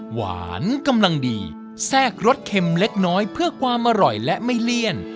หวานกำลังดีแทรกรสเค็มเล็กน้อยเพื่อความอร่อยและไม่เลี่ยน